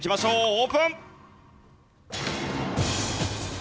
オープン！